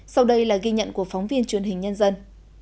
sau đây là ghi nhận của phóng viên truyền hình nhân dân